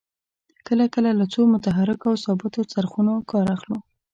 کله کله له څو متحرکو او ثابتو څرخونو کار اخلو.